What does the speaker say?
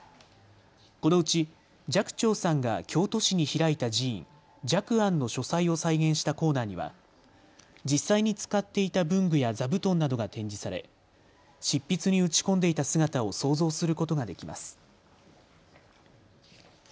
このうち寂聴さんが京都市に開いた寺院、寂庵の書斎を再現したコーナーには、実際に使っていた文具や座布団などが展示され執筆に打ち込んでいた姿を想像することができます。